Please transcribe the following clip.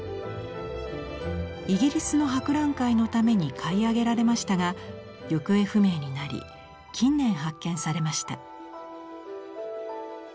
イギリスの博覧会のために買い上げられましたが行方不明になり近年発見されました。